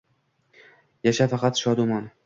Yasha faqat shodumon.